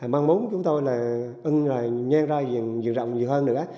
mang múng chúng tôi là nhanh ra nhiều rộng nhiều hơn nữa